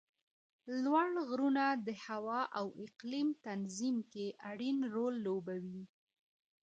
لوړ غرونه د هوا او اقلیم تنظیم کې اړین رول لوبوي